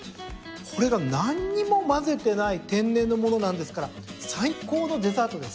これが何にもまぜてない天然のものなんですから最高のデザートです。